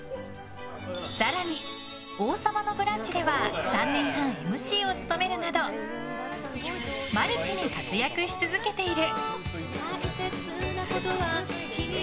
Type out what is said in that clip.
更に「王様のブランチ」では３年半、ＭＣを務めるなどマルチに活躍し続けている。